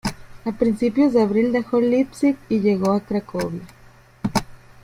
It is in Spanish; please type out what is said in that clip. A principios de abril dejó Leipzig y llegó a Cracovia.